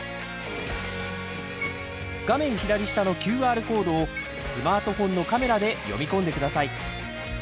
画面左下のＱＲコードをスマートフォンのカメラで読み込んでください。